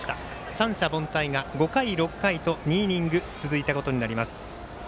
三者凡退が６回、５回と２イニング続いたことになります。